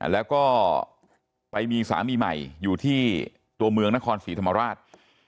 แล้วก็ไปมีสามีใหม่อยู่ที่ตัวเมืองนครศรีธรรมราช